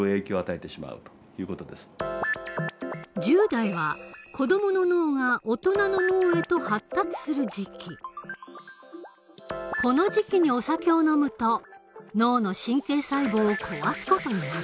１０代は子どもの脳が大人の脳へとこの時期にお酒を飲むと脳の神経細胞を壊す事になる。